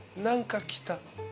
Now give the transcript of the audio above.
何か来た。